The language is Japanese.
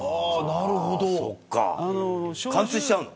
貫通しちゃうの。